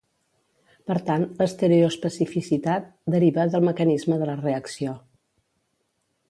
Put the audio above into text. Per tant, l'estereoespecificitat deriva del mecanisme de la reacció.